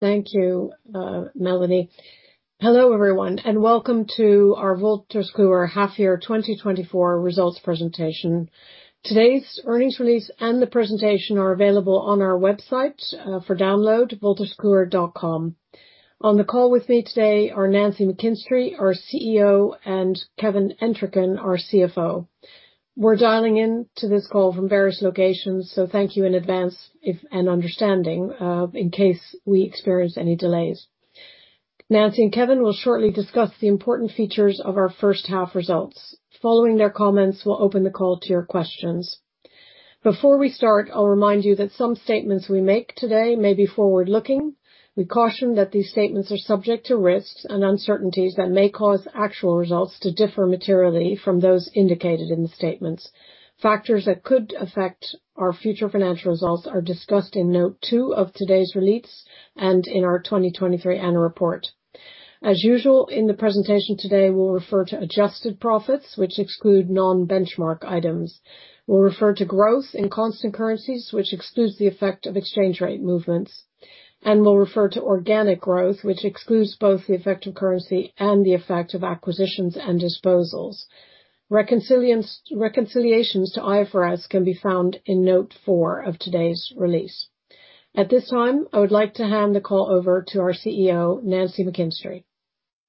Thank you, Melanie. Hello, everyone, and welcome to our Wolters Kluwer Half-Year 2024 results presentation. Today's earnings release and the presentation are available on our website for download, WoltersKluwer.com. On the call with me today are Nancy McKinstry, our CEO, and Kevin Entricken, our CFO. We're dialing in to this call from various locations, so thank you in advance and understanding in case we experience any delays. Nancy and Kevin will shortly discuss the important features of our first half results. Following their comments, we'll open the call to your questions. Before we start, I'll remind you that some statements we make today may be forward-looking. We caution that these statements are subject to risks and uncertainties that may cause actual results to differ materially from those indicated in the statements. Factors that could affect our future financial results are discussed in Note two of today's release and in our 2023 Annual Report. As usual, in the presentation today, we'll refer to adjusted profits, which exclude non-benchmark items. We'll refer to growth in constant currencies, which excludes the effect of exchange rate movements. We'll refer to organic growth, which excludes both the effect of currency and the effect of acquisitions and disposals. Reconciliations to IFRS can be found in Note four of today's release. At this time, I would like to hand the call over to our CEO, Nancy McKinstry.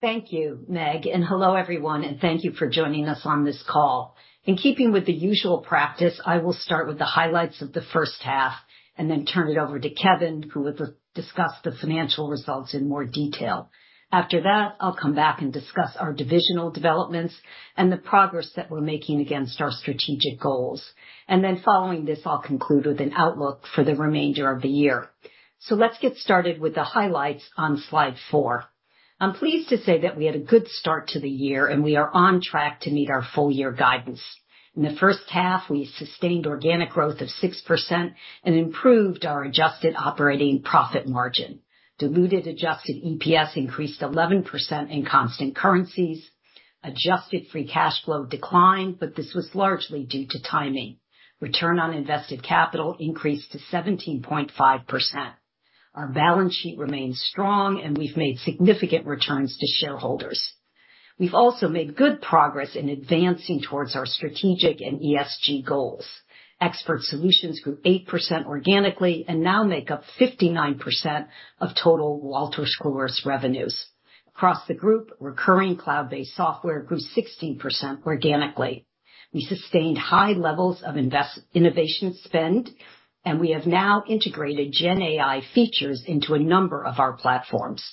Thank you, Meg, and hello, everyone, and thank you for joining us on this call. In keeping with the usual practice, I will start with the highlights of the first half and then turn it over to Kevin, who will discuss the financial results in more detail. After that, I'll come back and discuss our divisional developments and the progress that we're making against our strategic goals. Then, following this, I'll conclude with an outlook for the remainder of the year. So let's get started with the highlights on Slide four. I'm pleased to say that we had a good start to the year, and we are on track to meet our full-year guidance. In the first half, we sustained organic growth of 6% and improved our adjusted operating profit margin. Diluted adjusted EPS increased 11% in constant currencies. Adjusted free cash flow declined, but this was largely due to timing. Return on invested capital increased to 17.5%. Our balance sheet remains strong, and we've made significant returns to shareholders. We've also made good progress in advancing towards our strategic and ESG goals. Expert Solutions grew 8% organically and now make up 59% of total Wolters Kluwer's revenues. Across the group, recurring cloud-based software grew 16% organically. We sustained high levels of innovation spend, and we have now integrated GenAI features into a number of our platforms.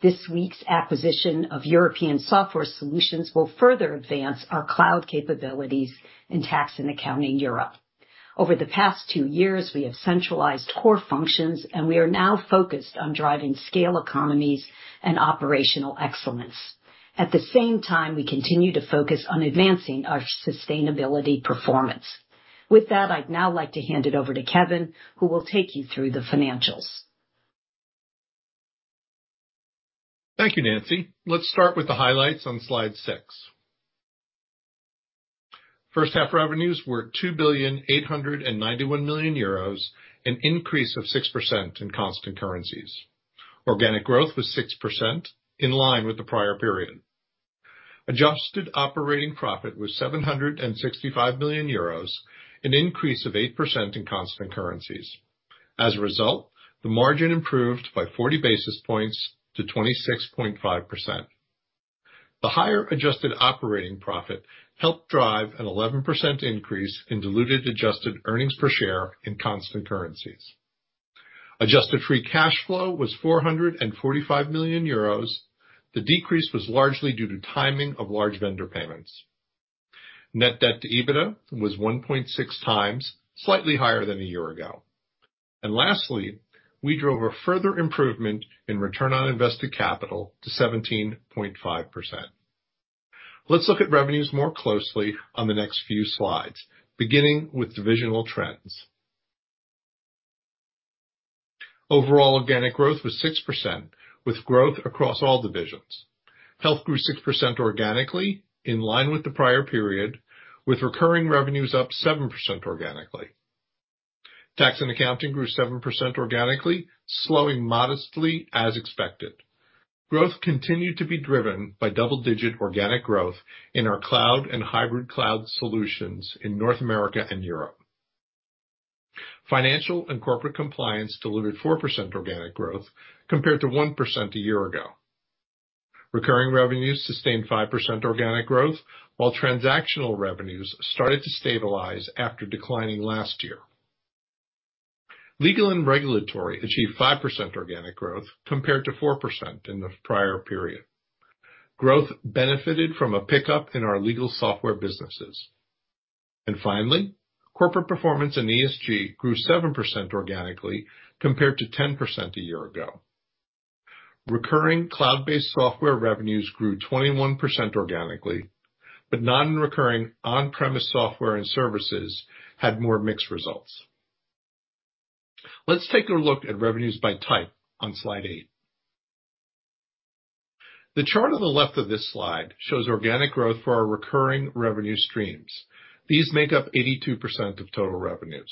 This week's acquisition of European software solutions will further advance our cloud capabilities in Tax & Accounting Europe. Over the past two years, we have centralized core functions, and we are now focused on driving scale economies and operational excellence. At the same time, we continue to focus on advancing our sustainability performance. With that, I'd now like to hand it over to Kevin, who will take you through the financials. Thank you, Nancy. Let's start with the highlights on Slide six. First half revenues were €2,891 million euros, an increase of 6% in constant currencies. Organic growth was 6%, in line with the prior period. Adjusted operating profit was €765 million, an increase of 8% in constant currencies. As a result, the margin improved by 40 basis points to 26.5%. The higher adjusted operating profit helped drive an 11% increase in diluted adjusted earnings per share in constant currencies. Adjusted free cash flow was €445 million. The decrease was largely due to timing of large vendor payments. Net debt to EBITDA was 1.6 times, slightly higher than a year ago. Lastly, we drove a further improvement in return on invested capital to 17.5%. Let's look at revenues more closely on the next few slides, beginning with divisional trends. Overall, organic growth was 6%, with growth across all divisions. Health grew 6% organically, in line with the prior period, with recurring revenues up 7% organically. Tax & Accounting grew 7% organically, slowing modestly, as expected. Growth continued to be driven by double-digit organic growth in our cloud and hybrid cloud solutions in North America and Europe. Financial & Corporate Compliance delivered 4% organic growth, compared to 1% a year ago. Recurring revenues sustained 5% organic growth, while transactional revenues started to stabilize after declining last year. Legal & Regulatory achieved 5% organic growth, compared to 4% in the prior period. Growth benefited from a pickup in our legal software businesses. And finally, Corporate Performance & ESG grew 7% organically, compared to 10% a year ago. Recurring cloud-based software revenues grew 21% organically, but non-recurring on-premise software and services had more mixed results. Let's take a look at revenues by type on Slide eight. The chart on the left of this slide shows organic growth for our recurring revenue streams. These make up 82% of total revenues.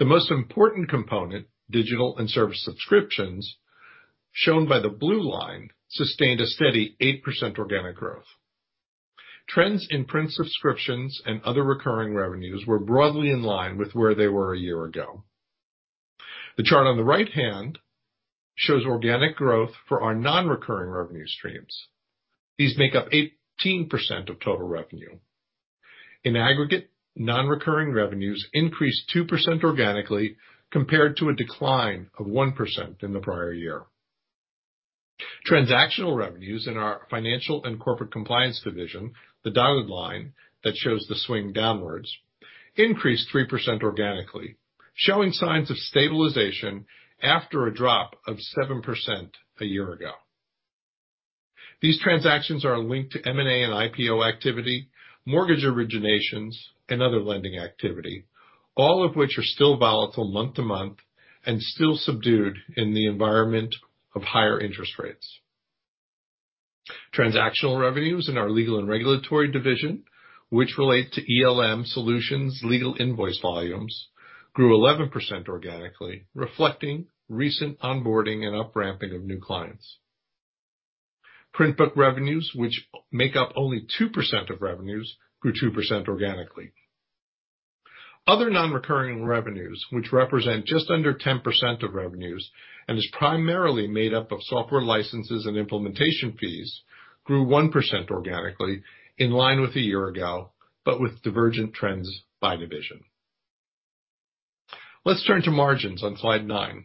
The most important component, digital and service subscriptions, shown by the blue line, sustained a steady 8% organic growth. Trends in print subscriptions and other recurring revenues were broadly in line with where they were a year ago. The chart on the right hand shows organic growth for our non-recurring revenue streams. These make up 18% of total revenue. In aggregate, non-recurring revenues increased 2% organically, compared to a decline of 1% in the prior year. Transactional revenues in our Financial & Corporate Compliance division, the dotted line that shows the swing downwards, increased 3% organically, showing signs of stabilization after a drop of 7% a year ago. These transactions are linked to M&A and IPO activity, mortgage originations, and other lending activity, all of which are still volatile month-to-month and still subdued in the environment of higher interest rates. Transactional revenues in our Legal & Regulatory division, which relate to ELM Solutions, legal invoice volumes, grew 11% organically, reflecting recent onboarding and upramping of new clients. Print book revenues, which make up only 2% of revenues, grew 2% organically. Other non-recurring revenues, which represent just under 10% of revenues and are primarily made up of software licenses and implementation fees, grew 1% organically, in line with a year ago, but with divergent trends by division. Let's turn to margins on Slide nine.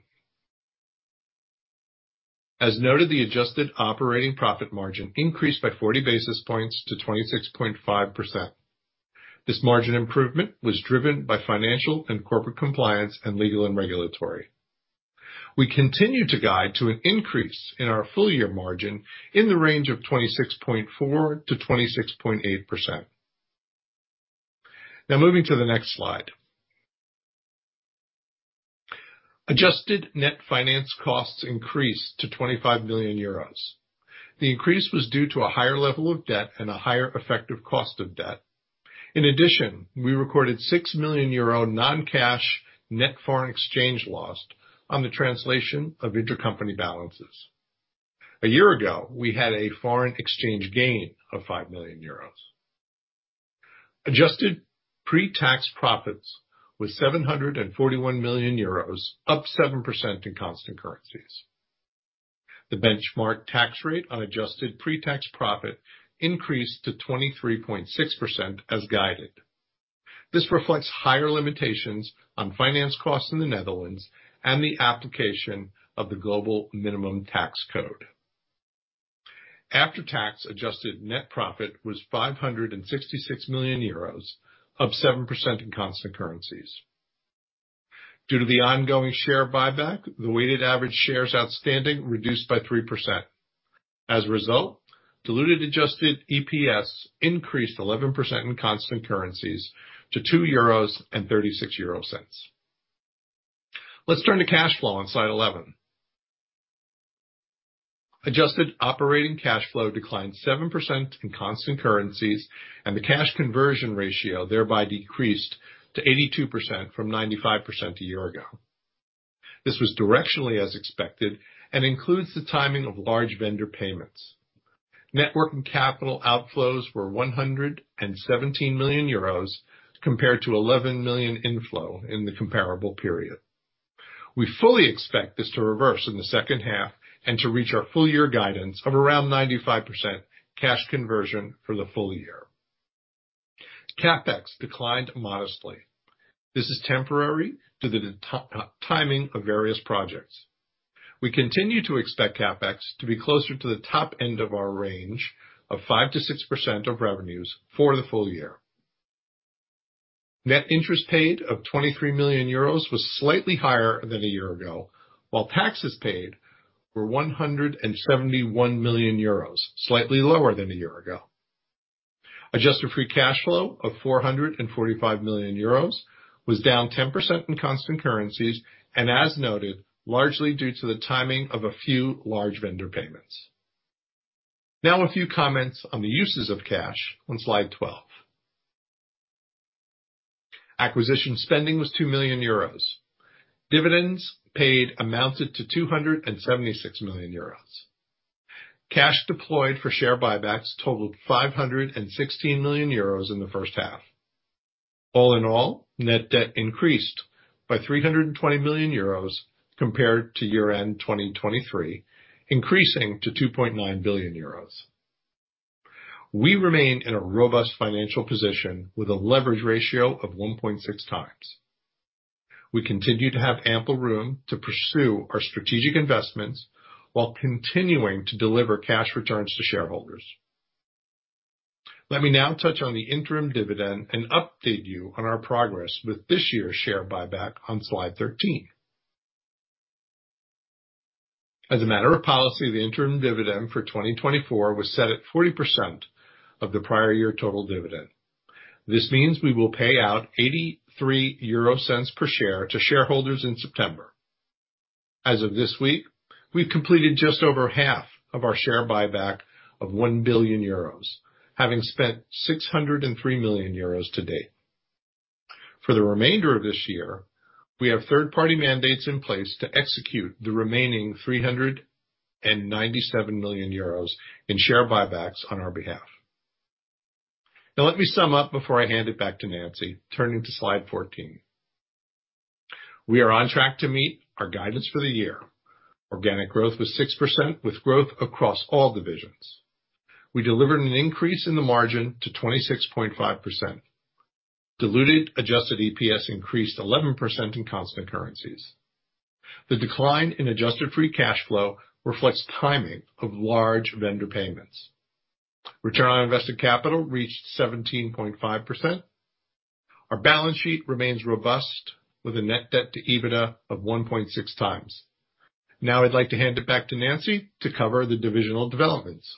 As noted, the adjusted operating profit margin increased by 40 basis points to 26.5%. This margin improvement was driven by Financial & Corporate Compliance and Legal & Regulatory. We continue to guide to an increase in our full-year margin in the range of 26.4%-26.8%. Now, moving to the next slide. Adjusted net finance costs increased to €25 million. The increase was due to a higher level of debt and a higher effective cost of debt. In addition, we recorded €6 million non-cash net foreign exchange loss on the translation of intercompany balances. A year ago, we had a foreign exchange gain of €5 million. Adjusted pre-tax profits were €741 million, up 7% in constant currencies. The benchmark tax rate on adjusted pre-tax profit increased to 23.6% as guided. This reflects higher limitations on finance costs in the Netherlands and the application of the global minimum tax code. After-tax adjusted net profit was €566 million, up 7% in constant currencies. Due to the ongoing share buyback, the weighted average shares outstanding reduced by 3%. As a result, diluted adjusted EPS increased 11% in constant currencies to 2.36 euros. Let's turn to cash flow on Slide 11. Adjusted operating cash flow declined 7% in constant currencies, and the cash conversion ratio thereby decreased to 82% from 95% a year ago. This was directionally as expected and includes the timing of large vendor payments. Networking capital outflows were 117 million euros, compared to 11 million inflow in the comparable period. We fully expect this to reverse in the second half and to reach our full-year guidance of around 95% cash conversion for the full year. CapEx declined modestly. This is temporary due to the timing of various projects. We continue to expect CapEx to be closer to the top end of our range of 5%-6% of revenues for the full year. Net interest paid of 23 million euros was slightly higher than a year ago, while taxes paid were 171 million euros, slightly lower than a year ago. Adjusted free cash flow of 445 million euros was down 10% in constant currencies, and as noted, largely due to the timing of a few large vendor payments. Now, a few comments on the uses of cash on Slide 12. Acquisition spending was 2 million euros. Dividends paid amounted to 276 million euros. Cash deployed for share buybacks totaled 516 million euros in the first half. All in all, net debt increased by 320 million euros, compared to year-end 2023, increasing to 2.9 billion euros. We remain in a robust financial position with a leverage ratio of 1.6x. We continue to have ample room to pursue our strategic investments while continuing to deliver cash returns to shareholders. Let me now touch on the interim dividend and update you on our progress with this year's share buyback on Slide 13. As a matter of policy, the interim dividend for 2024 was set at 40% of the prior year total dividend. This means we will pay out 83 euro per share to shareholders in September. As of this week, we've completed just over half of our share buyback of 1 billion euros, having spent 603 million euros to date. For the remainder of this year, we have third-party mandates in place to execute the remaining 397 million euros in share buybacks on our behalf. Now, let me sum up before I hand it back to Nancy, turning to Slide 14. We are on track to meet our guidance for the year. Organic growth was 6%, with growth across all divisions. We delivered an increase in the margin to 26.5%. Diluted adjusted EPS increased 11% in constant currencies. The decline in adjusted free cash flow reflects timing of large vendor payments. Return on invested capital reached 17.5%. Our balance sheet remains robust, with a net debt to EBITDA of 1.6x. Now, I'd like to hand it back to Nancy to cover the divisional developments.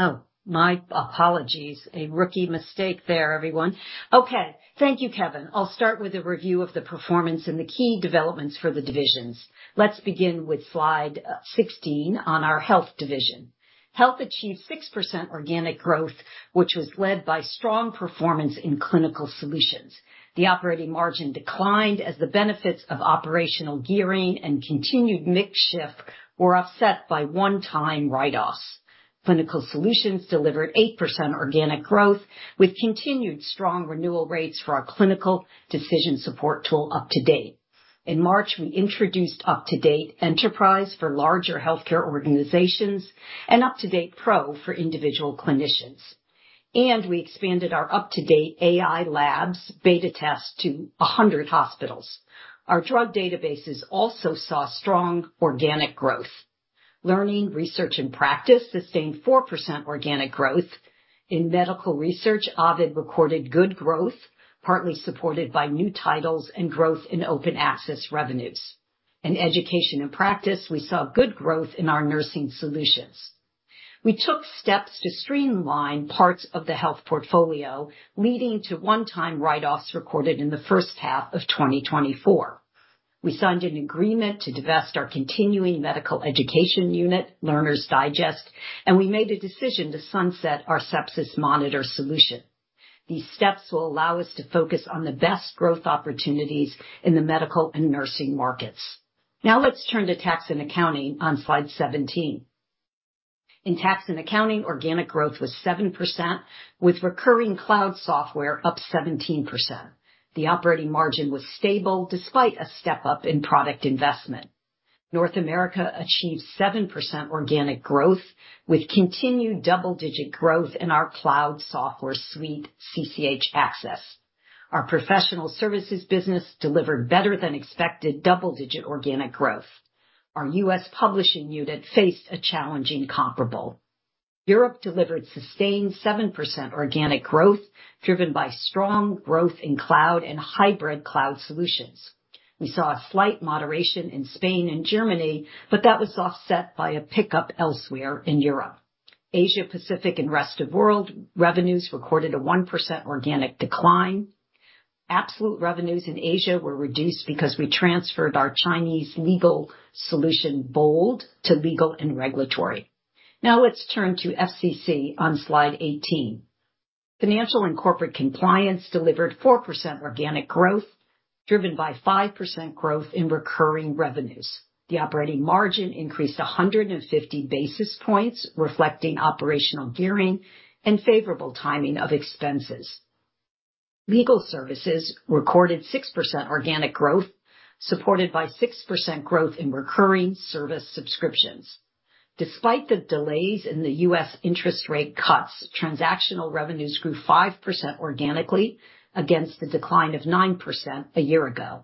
Oh, my apologies. A rookie mistake there, everyone. Okay, thank you, Kevin. I'll start with a review of the performance and the key developments for the divisions. Let's begin with Slide 16 on our Health division. Health achieved 6% organic growth, which was led by strong performance in Clinical Solutions. The operating margin declined as the benefits of operational gearing and continued mix shift were offset by one-time write-offs. Clinical solutions delivered 8% organic growth, with continued strong renewal rates for our clinical decision support tool UpToDate. In March, we introduced UpToDate Enterprise for larger healthcare organizations and UpToDate Pro for individual clinicians. We expanded our UpToDate AI Labs beta test to 100 hospitals. Our drug databases also saw strong organic growth. Learning, Research, and Practice sustained 4% organic growth. In Medical Research, Ovid recorded good growth, partly supported by new titles and growth in open access revenues. In Education & Practice, we saw good growth in our nursing solutions. We took steps to streamline parts of the health portfolio, leading to one-time write-offs recorded in the first half of 2024. We signed an agreement to divest our continuing medical education unit, Learner's Digest, and we made a decision to sunset our sepsis monitor solution. These steps will allow us to focus on the best growth opportunities in the medical and nursing markets. Now, let's turn to Tax & Accounting on Slide 17. In Tax & Accounting, organic growth was 7%, with recurring cloud software up 17%. The operating margin was stable despite a step-up in product investment. North America achieved 7% organic growth, with continued double-digit growth in our cloud software suite, CCH Access. Our professional services business delivered better-than-expected double-digit organic growth. Our U.S. publishing unit faced a challenging comparable. Europe delivered sustained 7% organic growth, driven by strong growth in cloud and hybrid cloud solutions. We saw a slight moderation in Spain and Germany, but that was offset by a pickup elsewhere in Europe. Asia-Pacific and rest of the world revenues recorded a 1% organic decline. Absolute revenues in Asia were reduced because we transferred our Chinese legal solution, BOLD, to Legal & Regulatory. Now, let's turn to FCC on Slide 18. Financial & Corporate Compliance delivered 4% organic growth, driven by 5% growth in recurring revenues. The operating margin increased 150 basis points, reflecting operational gearing and favorable timing of expenses. Legal services recorded 6% organic growth, supported by 6% growth in recurring service subscriptions. Despite the delays in the U.S. interest rate cuts, transactional revenues grew 5% organically, against a decline of 9% a year ago.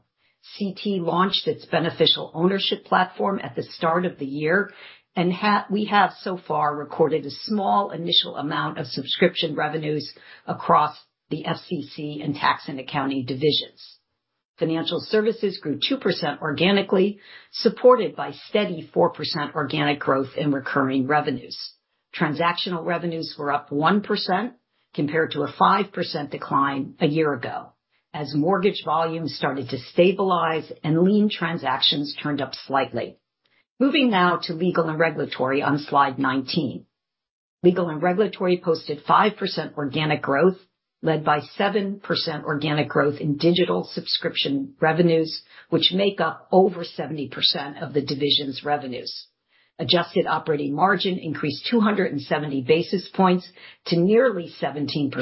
CT launched its beneficial ownership platform at the start of the year, and we have so far recorded a small initial amount of subscription revenues across the FCC and Tax & Accounting divisions. Financial services grew 2% organically, supported by steady 4% organic growth in recurring revenues. Transactional revenues were up 1%, compared to a 5% decline a year ago, as mortgage volumes started to stabilize and lien transactions turned up slightly. Moving now to Legal & Regulatory on Slide 19. Legal & Regulatory posted 5% organic growth, led by 7% organic growth in digital subscription revenues, which make up over 70% of the division's revenues. Adjusted operating margin increased 270 basis points to nearly 17%,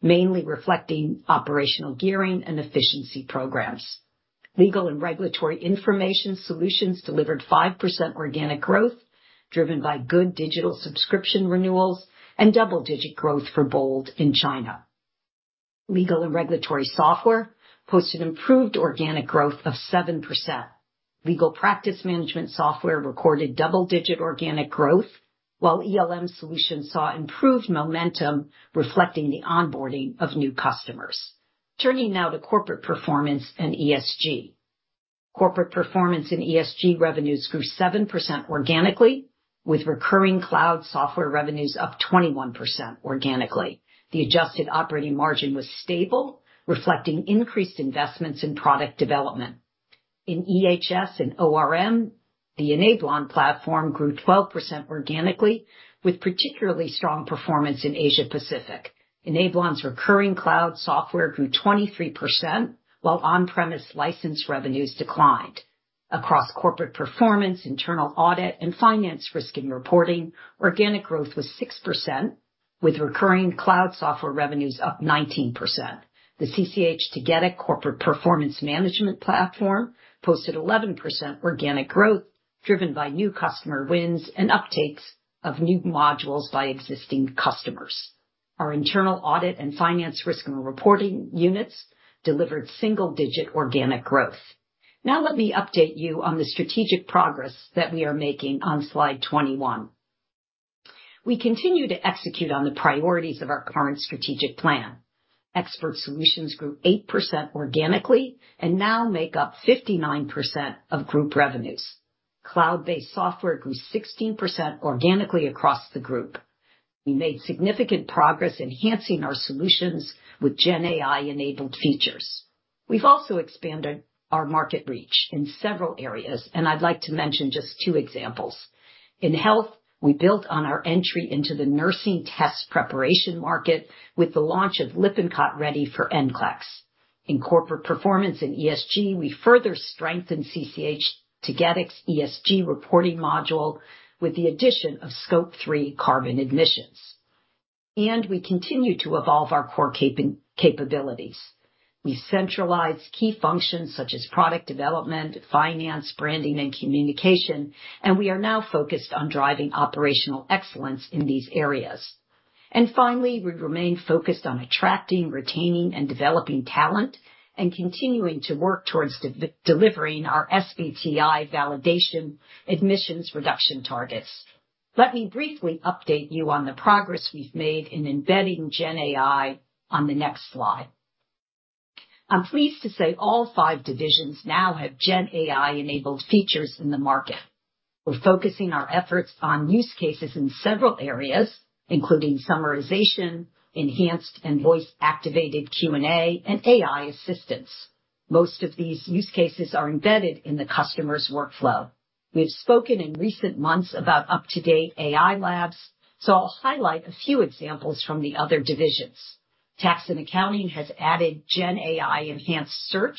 mainly reflecting operational gearing and efficiency programs. Legal & Regulatory Information Solutions delivered 5% organic growth, driven by good digital subscription renewals and double-digit growth for BOLD in China. Legal & Regulatory Software posted improved organic growth of 7%. Legal practice management software recorded double-digit organic growth, while ELM solutions saw improved momentum, reflecting the onboarding of new customers. Turning now to Corporate Performance and ESG. Corporate Performance and ESG revenues grew 7% organically, with recurring cloud software revenues up 21% organically. The adjusted operating margin was stable, reflecting increased investments in product development. In EHS and ORM, the Enablon platform grew 12% organically, with particularly strong performance in Asia-Pacific. Enablon's recurring cloud software grew 23%, while on-premise license revenues declined. Across Corporate Performance, Internal Audit, and Finance, Risk & Reporting, organic growth was 6%, with recurring cloud software revenues up 19%. The CCH Tagetik Corporate Performance Management Platform posted 11% organic growth, driven by new customer wins and uptakes of new modules by existing customers. Our Internal Audit and Finance, Risk & Reporting units delivered single-digit organic growth. Now, let me update you on the strategic progress that we are making on Slide 21. We continue to execute on the priorities of our current strategic plan. Expert solutions grew 8% organically and now make up 59% of group revenues. Cloud-based software grew 16% organically across the group. We made significant progress enhancing our solutions with GenAI-enabled features. We've also expanded our market reach in several areas, and I'd like to mention just two examples. In health, we built on our entry into the nursing test preparation market with the launch of Lippincott Ready for NCLEX. In Corporate Performance and ESG, we further strengthened CCH Tagetik's ESG reporting module with the addition of Scope 3 carbon emissions. And we continue to evolve our core capabilities. We centralize key functions such as product development, finance, branding, and communication, and we are now focused on driving operational excellence in these areas. And finally, we remain focused on attracting, retaining, and developing talent and continuing to work towards delivering our SBTi validation emissions reduction targets. Let me briefly update you on the progress we've made in embedding GenAI on the next slide. I'm pleased to say all five divisions now have GenAI-enabled features in the market. We're focusing our efforts on use cases in several areas, including summarization, enhanced and voice-activated Q&A, and AI assistance. Most of these use cases are embedded in the customer's workflow. We've spoken in recent months about UpToDate AI Labs, so I'll highlight a few examples from the other divisions. Tax & Accounting has added GenAI-enhanced search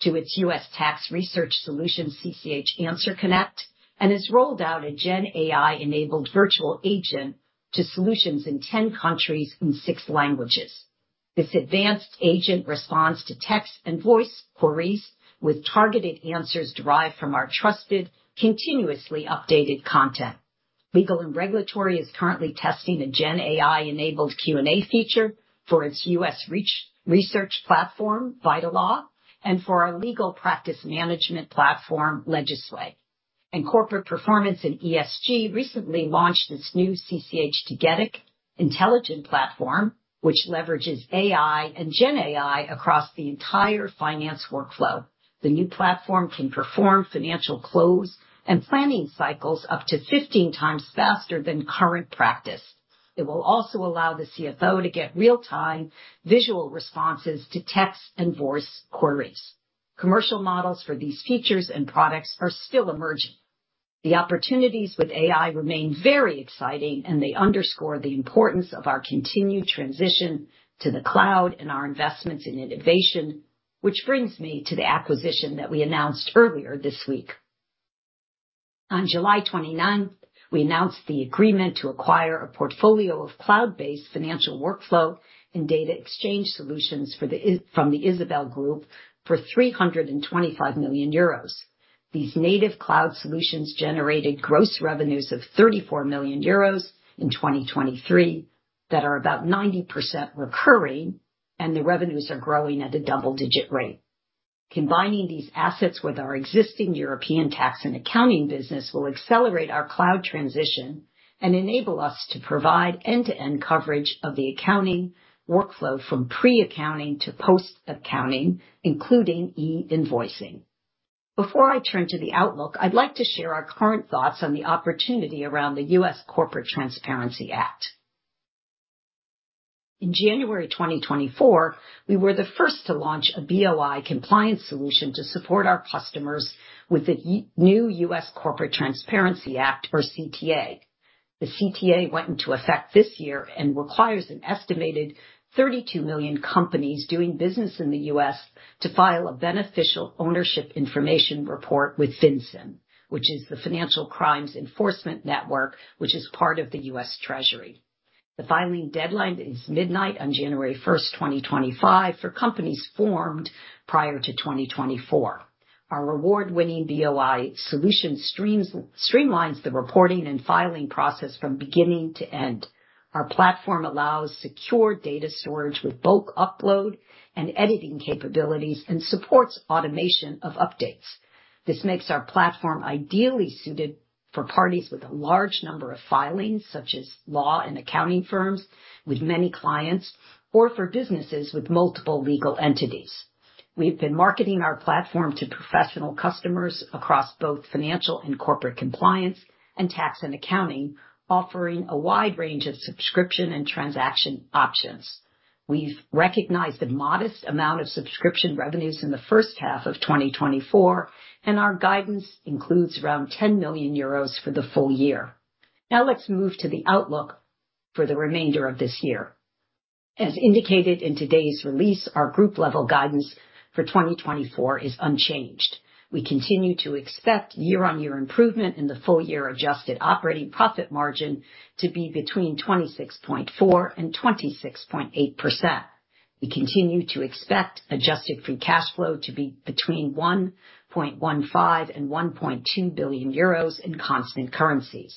to its U.S. tax research solution, CCH AnswerConnect, and has rolled out a GenAI-enabled virtual agent to solutions in 10 countries and six languages. This advanced agent responds to text and voice queries with targeted answers derived from our trusted, continuously updated content. Legal & Regulatory is currently testing a GenAI-enabled Q&A feature for its U.S. research platform, VitalLaw, and for our legal practice management platform, Legisway. Corporate Performance and ESG recently launched its new CCH Tagetik Intelligent Platform, which leverages AI and GenAI across the entire finance workflow. The new platform can perform financial close and planning cycles up to 15 times faster than current practice. It will also allow the CFO to get real-time visual responses to text and voice queries. Commercial models for these features and products are still emerging. The opportunities with AI remain very exciting, and they underscore the importance of our continued transition to the cloud and our investments in innovation, which brings me to the acquisition that we announced earlier this week. On July 29, we announced the agreement to acquire a portfolio of cloud-based financial workflow and data exchange solutions from the Isabel Group for 325 million euros. These native cloud solutions generated gross revenues of 34 million euros in 2023 that are about 90% recurring, and the revenues are growing at a double-digit rate. Combining these assets with our existing European Tax & Accounting business will accelerate our cloud transition and enable us to provide end-to-end coverage of the accounting workflow from pre-accounting to post-accounting, including e-invoicing. Before I turn to the outlook, I'd like to share our current thoughts on the opportunity around the U.S. Corporate Transparency Act. In January 2024, we were the first to launch a BOI compliance solution to support our customers with the new U.S. Corporate Transparency Act, or CTA. The CTA went into effect this year and requires an estimated 32 million companies doing business in the U.S. to file a beneficial ownership information report with FinCEN, which is the Financial Crimes Enforcement Network, which is part of the U.S. Treasury. The filing deadline is midnight on first January, 2025, for companies formed prior to 2024. Our award-winning BOI solution streamlines the reporting and filing process from beginning to end. Our platform allows secure data storage with bulk upload and editing capabilities and supports automation of updates. This makes our platform ideally suited for parties with a large number of filings, such as law and accounting firms with many clients, or for businesses with multiple legal entities. We've been marketing our platform to professional customers across both Financial & Corporate Compliance and Tax & Accounting, offering a wide range of subscription and transaction options. We've recognized a modest amount of subscription revenues in the first half of 2024, and our guidance includes around 10 million euros for the full year. Now, let's move to the outlook for the remainder of this year. As indicated in today's release, our group-level guidance for 2024 is unchanged. We continue to expect year-on-year improvement in the full-year adjusted operating profit margin to be between 26.4%-26.8%. We continue to expect adjusted free cash flow to be between 1.15 and 1.2 billion euros in constant currencies.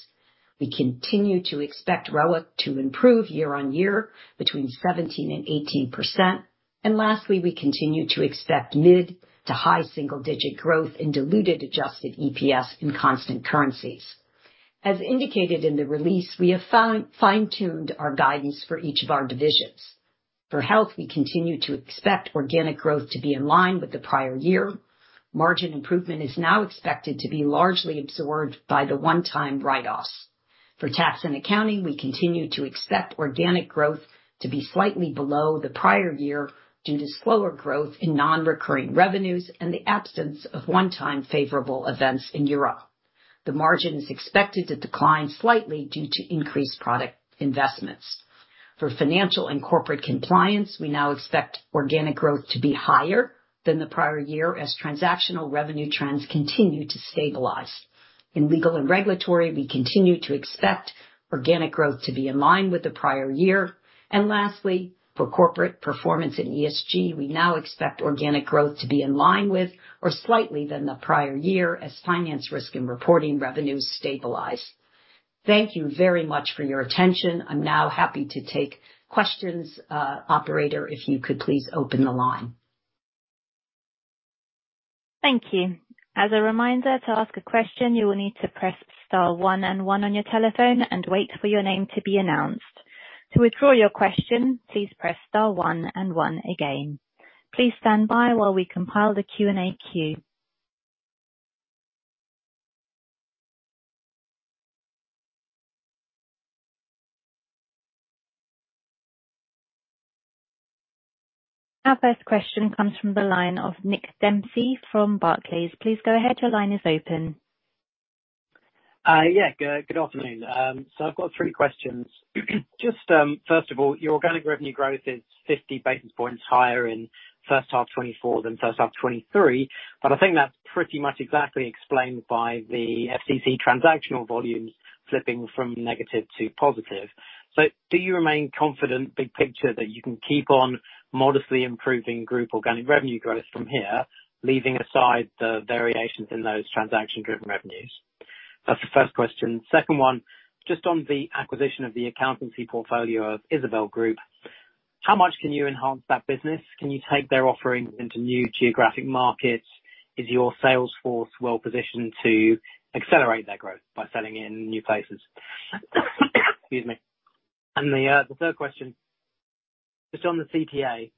We continue to expect ROIC to improve year-on-year between 17%-18%. And lastly, we continue to expect mid to high single-digit growth in diluted adjusted EPS in constant currencies. As indicated in the release, we have fine-tuned our guidance for each of our divisions. For Health, we continue to expect organic growth to be in line with the prior year. Margin improvement is now expected to be largely absorbed by the one-time write-offs. For Tax & Accounting, we continue to expect organic growth to be slightly below the prior year due to slower growth in non-recurring revenues and the absence of one-time favorable events in Europe. The margin is expected to decline slightly due to increased product investments. For Financial & Corporate Compliance, we now expect organic growth to be higher than the prior year as transactional revenue trends continue to stabilize. In Legal & Regulatory, we continue to expect organic growth to be in line with the prior year. And lastly, for Corporate Performance & ESG, we now expect organic growth to be in line with or slightly higher than the prior year as financial risk and reporting revenues stabilize. Thank you very much for your attention. I'm now happy to take questions, Operator, if you could please open the line. Thank you. As a reminder, to ask a question, you will need to press Star 1 and 1 on your telephone and wait for your name to be announced. To withdraw your question, please press Star 1 and 1 again. Please stand by while we compile the Q&A queue. Our first question comes from the line of Nick Dempsey from Barclays. Please go ahead. Your line is open. Yeah, good afternoon. So I've got three questions. Just first of all, your organic revenue growth is 50 basis points higher in first half 2024 than first half 2023, but I think that's pretty much exactly explained by the FCC transactional volumes flipping from negative to positive. So do you remain confident, big picture, that you can keep on modestly improving group organic revenue growth from here, leaving aside the variations in those transaction-driven revenues? That's the first question. Second one, just on the acquisition of the accountancy portfolio of Isabel Group, how much can you enhance that business? Can you take their offerings into new geographic markets? Is your sales force well positioned to accelerate their growth by selling in new places? Excuse me. And the third question, just on the CTA,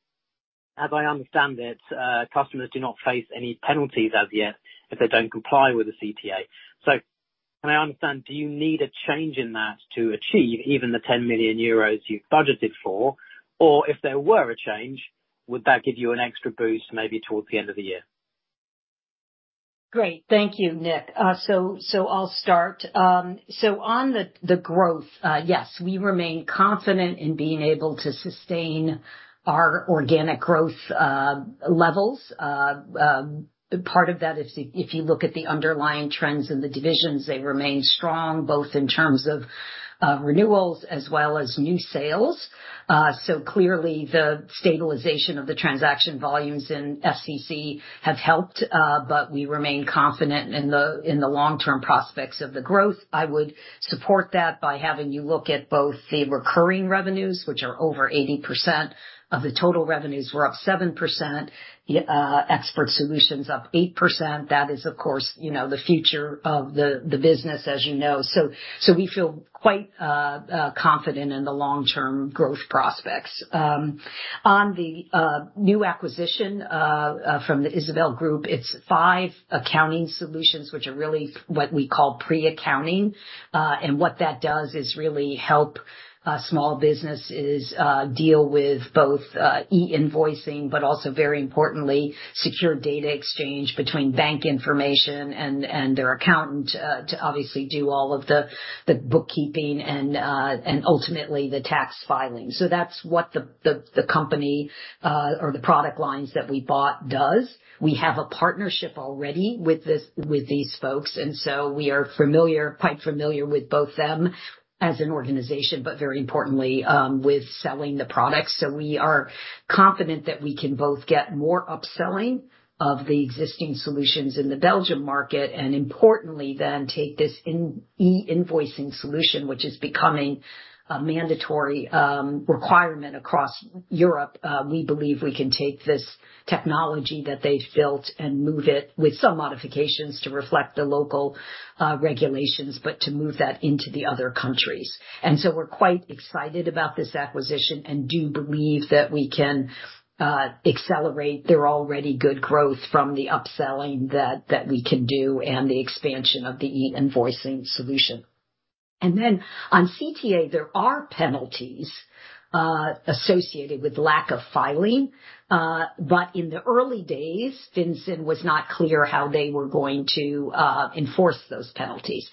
as I understand it, customers do not face any penalties as yet if they don't comply with the CTA. So can I understand, do you need a change in that to achieve even the 10 million euros you've budgeted for? Or if there were a change, would that give you an extra boost maybe towards the end of the year? Great. Thank you, Nick. So I'll start. So on the growth, yes, we remain confident in being able to sustain our organic growth levels. Part of that is if you look at the underlying trends in the divisions, they remain strong both in terms of renewals as well as new sales. So clearly, the stabilization of the transaction volumes in FCC have helped, but we remain confident in the long-term prospects of the growth. I would support that by having you look at both the recurring revenues, which are over 80% of the total revenues. We're up 7%. Expert Solutions up 8%. That is, of course, the future of the business, as you know. So we feel quite confident in the long-term growth prospects. On the new acquisition from the Isabel Group, it's five accounting solutions, which are really what we call pre-accounting. What that does is really help small businesses deal with both e-invoicing, but also, very importantly, secure data exchange between bank information and their accountant to obviously do all of the bookkeeping and ultimately the tax filing. So that's what the company or the product lines that we bought does. We have a partnership already with these folks, and so we are quite familiar with both them as an organization, but very importantly, with selling the products. So we are confident that we can both get more upselling of the existing solutions in the Belgium market and, importantly, then take this e-invoicing solution, which is becoming a mandatory requirement across Europe. We believe we can take this technology that they've built and move it with some modifications to reflect the local regulations, but to move that into the other countries. We're quite excited about this acquisition and do believe that we can accelerate their already good growth from the upselling that we can do and the expansion of the e-invoicing solution. Then on CTA, there are penalties associated with lack of filing, but in the early days, FinCEN was not clear how they were going to enforce those penalties.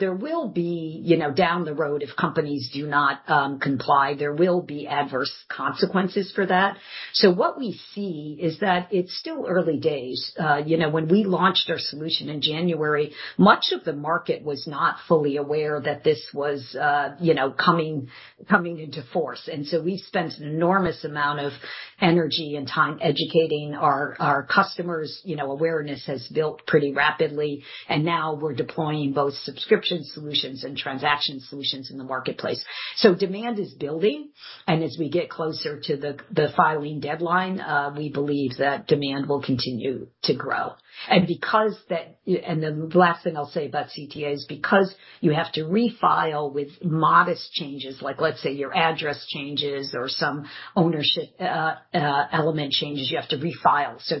There will be down the road, if companies do not comply, there will be adverse consequences for that. What we see is that it's still early days. When we launched our solution in January, much of the market was not fully aware that this was coming into force. We've spent an enormous amount of energy and time educating our customers. Awareness has built pretty rapidly, and now we're deploying both subscription solutions and transaction solutions in the marketplace. So demand is building, and as we get closer to the filing deadline, we believe that demand will continue to grow. And the last thing I'll say about CTA is because you have to refile with modest changes, like let's say your address changes or some ownership element changes, you have to refile. So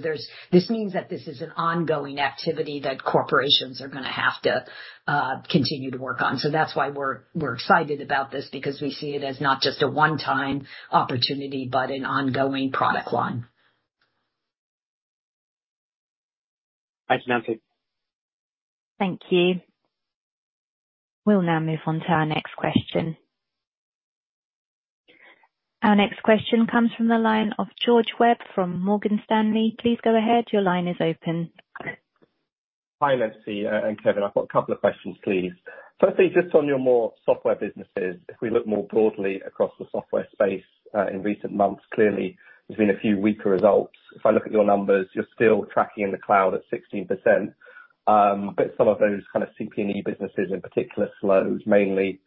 this means that this is an ongoing activity that corporations are going to have to continue to work on. So that's why we're excited about this because we see it as not just a one-time opportunity, but an ongoing product line. Thanks, Nancy. Thank you. We'll now move on to our next question. Our next question comes from the line of George Webb from Morgan Stanley. Please go ahead. Your line is open. Hi, Nancy and Kevin. I've got a couple of questions, please. Firstly, just on your more software businesses, if we look more broadly across the software space in recent months, clearly, there's been a few weaker results. If I look at your numbers, you're still tracking in the cloud at 16%, but some of those kind of CP & ESG businesses, in particular, slowed, mainly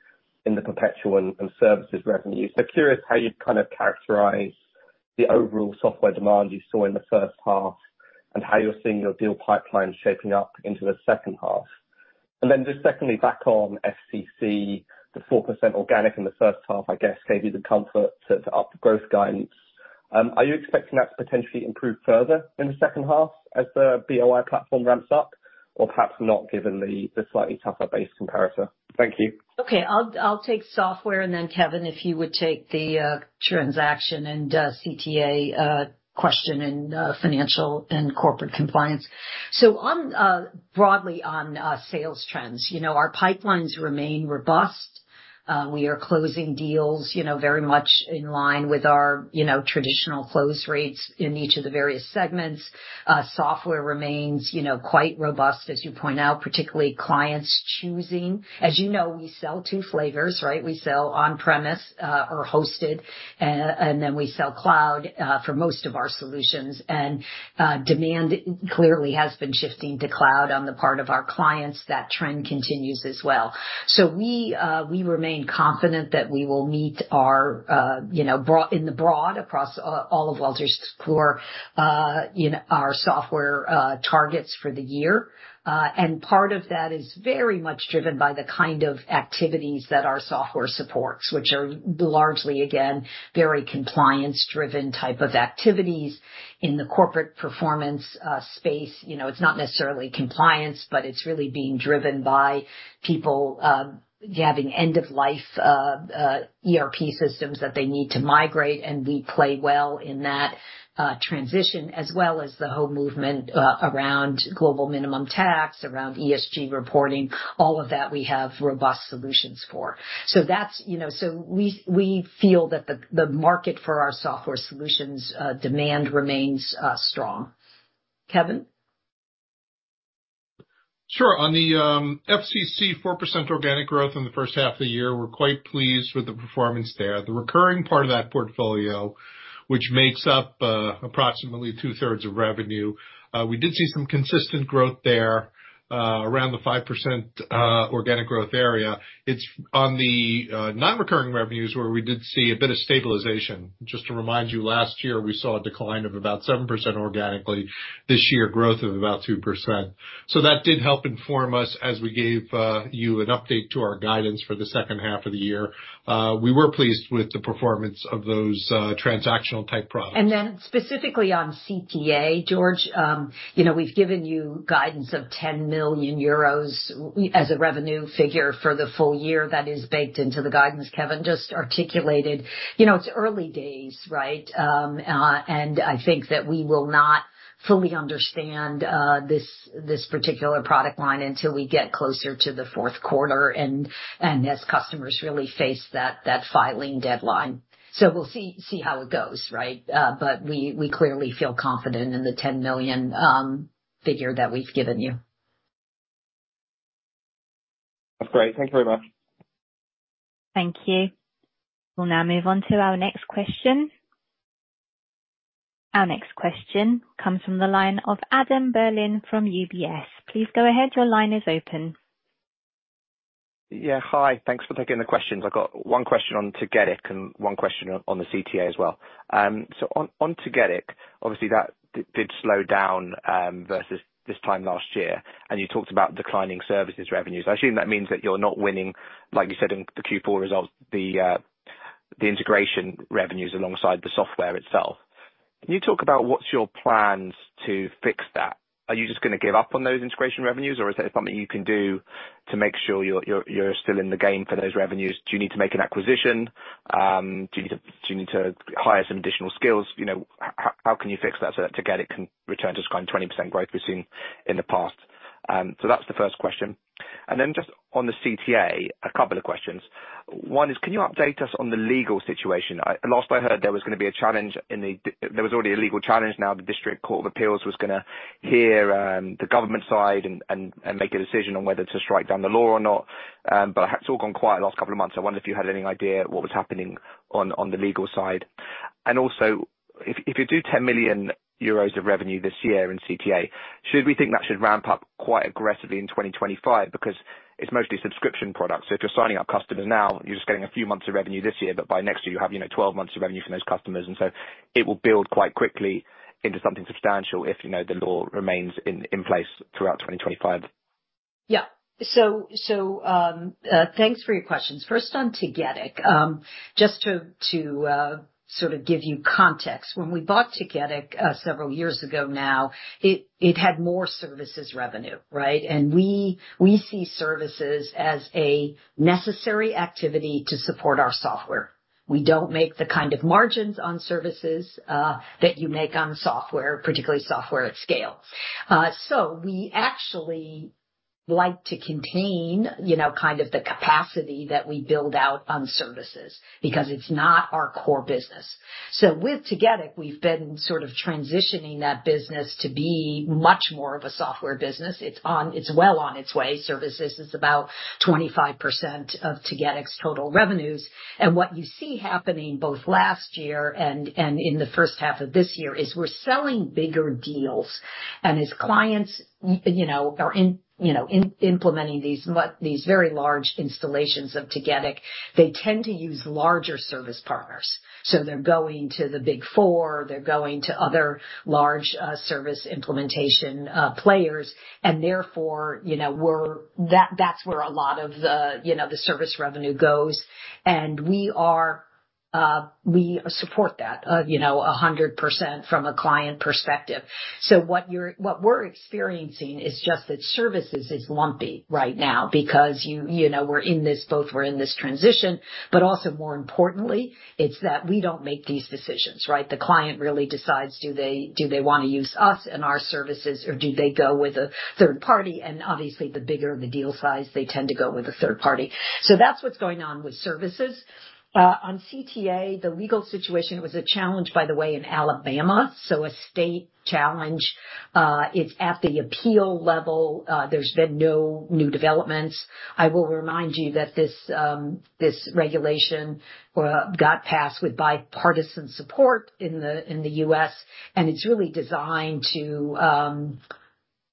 in the perpetual and services revenues. So curious how you'd kind of characterize the overall software demand you saw in the first half and how you're seeing your deal pipeline shaping up into the second half. And then just secondly, back on FCC, the 4% organic in the first half, I guess, gave you the comfort to up growth guidance. Are you expecting that to potentially improve further in the second half as the BOI platform ramps up, or perhaps not given the slightly tougher base comparator? Thank you. Okay. I'll take software, and then Kevin, if you would take the transaction and CTA question in Financial & Corporate Compliance. So broadly on sales trends, our pipelines remain robust. We are closing deals very much in line with our traditional close rates in each of the various segments. Software remains quite robust, as you point out, particularly clients choosing. As you know, we sell two flavors, right? We sell on-premise or hosted, and then we sell cloud for most of our solutions. And demand clearly has been shifting to cloud on the part of our clients. That trend continues as well. So we remain confident that we will meet our in the broad across all of Wolters Kluwer, our software targets for the year. And part of that is very much driven by the kind of activities that our software supports, which are largely, again, very compliance-driven type of activities. In the Corporate Performance space, it's not necessarily compliance, but it's really being driven by people having end-of-life ERP systems that they need to migrate, and we play well in that transition, as well as the whole movement around global minimum tax, around ESG reporting, all of that we have robust solutions for. So we feel that the market for our software solutions demand remains strong. Kevin? Sure. On the F&C 4% organic growth in the first half of the year, we're quite pleased with the performance there. The recurring part of that portfolio, which makes up approximately two-thirds of revenue, we did see some consistent growth there around the 5% organic growth area. It's on the non-recurring revenues where we did see a bit of stabilization. Just to remind you, last year, we saw a decline of about 7% organically. This year, growth of about 2%. That did help inform us as we gave you an update to our guidance for the second half of the year. We were pleased with the performance of those transactional-type products. Then specifically on CTA, George, we've given you guidance of 10 million euros as a revenue figure for the full year that is baked into the guidance. Kevin just articulated it's early days, right? I think that we will not fully understand this particular product line until we get closer to the fourth quarter and as customers really face that filing deadline. We'll see how it goes, right? We clearly feel confident in the 10 million figure that we've given you. That's great. Thank you very much. Thank you. We'll now move on to our next question. Our next question comes from the line of Adam Berlin from UBS. Please go ahead. Your line is open. Yeah. Hi. Thanks for taking the questions. I've got one question on CCH Tagetik and one question on the CTA as well. So on CCH Tagetik, obviously, that did slow down versus this time last year. And you talked about declining services revenues. I assume that means that you're not winning, like you said in the Q4 results, the integration revenues alongside the software itself. Can you talk about what's your plans to fix that? Are you just going to give up on those integration revenues, or is there something you can do to make sure you're still in the game for those revenues? Do you need to make an acquisition? Do you need to hire some additional skills? How can you fix that so that CCH Tagetik can return to its current 20% growth we've seen in the past? So that's the first question. And then just on the CTA, a couple of questions. One is, can you update us on the legal situation? Last I heard, there was already a legal challenge. Now, the District Court of Appeals was going to hear the government side and make a decision on whether to strike down the law or not. But it's all gone quiet the last couple of months. I wonder if you had any idea what was happening on the legal side. And also, if you do 10 million euros of revenue this year in CTA, should we think that should ramp up quite aggressively in 2025? Because it's mostly subscription products. So if you're signing up customers now, you're just getting a few months of revenue this year, but by next year, you have 12 months of revenue from those customers. And so it will build quite quickly into something substantial if the law remains in place throughout 2025. Yeah. So thanks for your questions. First on CCH Tagetik, just to sort of give you context, when we bought CCH Tagetik several years ago now, it had more services revenue, right? And we see services as a necessary activity to support our software. We don't make the kind of margins on services that you make on software, particularly software at scale. So we actually like to contain kind of the capacity that we build out on services because it's not our core business. So with CCH Tagetik, we've been sort of transitioning that business to be much more of a software business. It's well on its way. Services is about 25% of CCH Tagetik's total revenues. And what you see happening both last year and in the first half of this year is we're selling bigger deals. And as clients are implementing these very large installations of Tagetik, they tend to use larger service partners. So they're going to the Big Four. They're going to other large service implementation players. And therefore, that's where a lot of the service revenue goes. And we support that 100% from a client perspective. So what we're experiencing is just that services is lumpy right now because we're in this both we're in this transition, but also more importantly, it's that we don't make these decisions, right? The client really decides, do they want to use us and our services, or do they go with a third party? And obviously, the bigger the deal size, they tend to go with a third party. So that's what's going on with services. On CTA, the legal situation was a challenge, by the way, in Alabama. So a state challenge. It's at the appeal level. There's been no new developments. I will remind you that this regulation got passed with bipartisan support in the U.S., and it's really designed to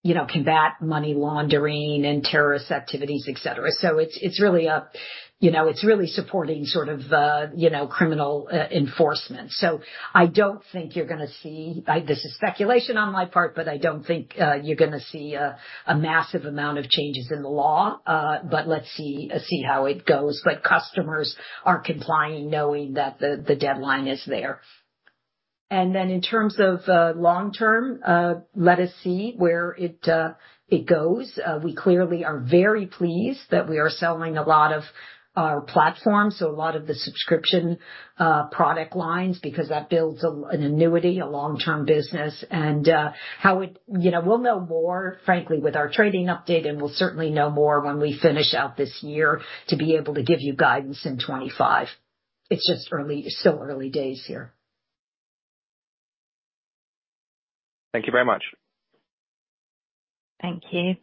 combat money laundering and terrorist activities, etc. So it's really a, it's really supporting sort of criminal enforcement. So I don't think you're going to see. This is speculation on my part, but I don't think you're going to see a massive amount of changes in the law, but let's see how it goes. But customers are complying knowing that the deadline is there. And then in terms of long-term, let us see where it goes. We clearly are very pleased that we are selling a lot of our platform, so a lot of the subscription product lines, because that builds an annuity, a long-term business. And how we'll know more, frankly, with our trading update, and we'll certainly know more when we finish out this year to be able to give you guidance in 2025. It's just still early days here. Thank you very much. Thank you.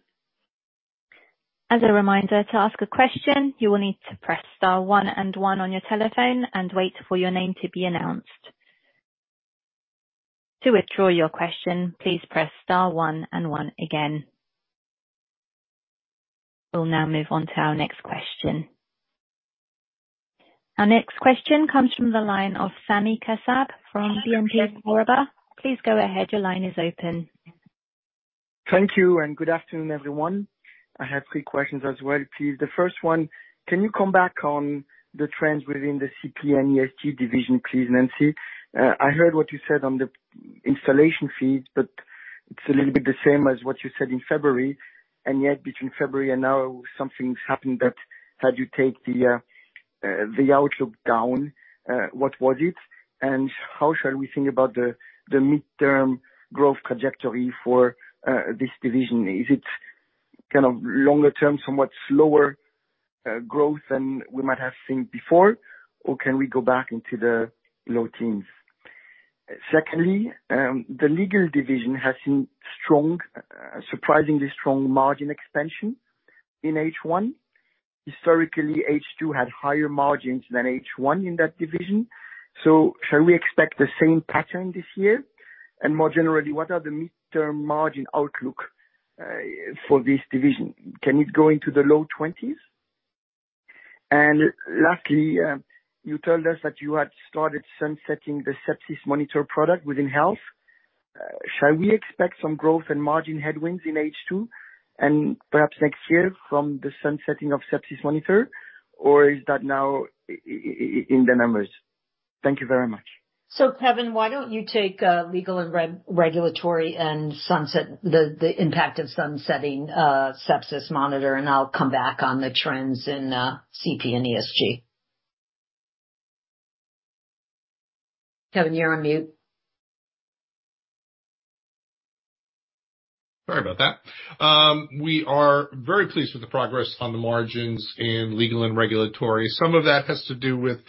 As a reminder, to ask a question, you will need to press star one and one on your telephone and wait for your name to be announced. To withdraw your question, please press star one and one again. We'll now move on to our next question. Our next question comes from the line of Sami Kassab from BNP Paribas. Please go ahead. Your line is open. Thank you. And good afternoon, everyone. I have three questions as well, please. The first one, can you come back on the trends within the CP&ESG division, please, Nancy? I heard what you said on the installation fees, but it's a little bit the same as what you said in February. And yet, between February and now, something's happened that had you take the outlook down. What was it? And how shall we think about the mid-term growth trajectory for this division? Is it kind of longer-term, somewhat slower growth than we might have seen before, or can we go back into the low teens? Secondly, the legal division has seen surprisingly strong margin expansion in H1. Historically, H2 had higher margins than H1 in that division. So shall we expect the same pattern this year? And more generally, what are the mid-term margin outlook for this division? Can it go into the low 20s? Lastly, you told us that you had started sunsetting the sepsis monitor product within health. Shall we expect some growth and margin headwinds in H2 and perhaps next year from the sunsetting of sepsis monitor, or is that now in the numbers? Thank you very much. So Kevin, why don't you take Legal & Regulatory and the impact of sunsetting sepsis monitor, and I'll come back on the trends in CP & ESG. Kevin, you're on mute. Sorry about that. We are very pleased with the progress on the margins in Legal & Regulatory. Some of that has to do with